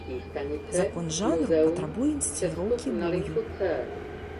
Закон жанру патрабуе інсцэніроўкі бою.